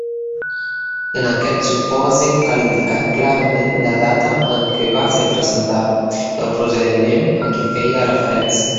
En aquest supòsit, cal indicar clarament la data en què va ser presentada i el procediment a què feia referència.